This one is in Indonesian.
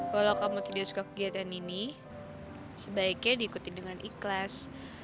kalau kamu tidak suka kegiatan ini sebaiknya diikuti dengan ikhlas